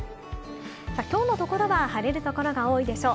今日のところは晴れる所が多いでしょう。